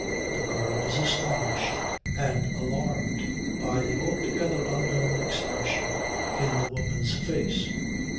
The girl was astounded and alarmed by the altogether unknown expression in the woman's face.